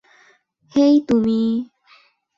হেই, তুমি।